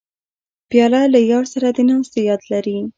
پیاله له یار سره د ناستې یاد لري.